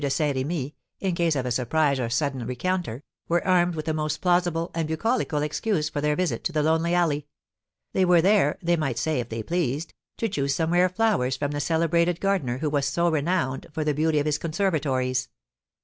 de Saint Remy, in case of a surprise or sudden rencounter, were armed with a most plausible and bucolical excuse for their visit to the lonely alley: they were there (they might say if they pleased) to choose some rare flowers from the celebrated gardener who was so renowned for the beauty of his conservatories.